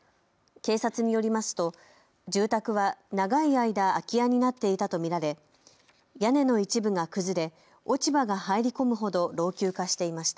警察によりますと、住宅は長い間空き家になっていたと見られ屋根の一部が崩れ、落ち葉が入り込むほど老朽化していました。